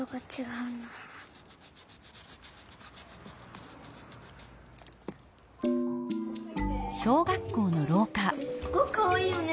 うんこれすっごくかわいいよね。